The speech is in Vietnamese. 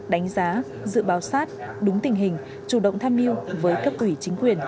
đánh giá dự báo sát đúng tình hình chủ động tham mưu với cấp ủy chính quyền